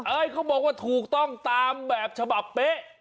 เขาบอกว่าถูกต้องตามแบบฉบับเป๊ะ